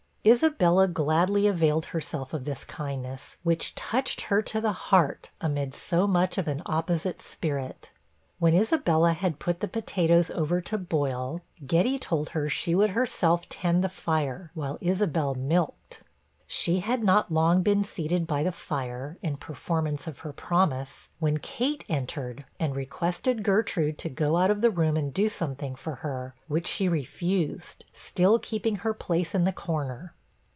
Isabella gladly availed herself of this kindness, which touched her to the heart, amid so much of an opposite spirit. When Isabella had put the potatoes over to boil, Getty told her she would herself tend the fire, while Isabel milked. She had not long been seated by the fire, in performance of her promise, when Kate entered, and requested Gertrude to go out of the room and do something for her, which she refused, still keeping her place in the corner.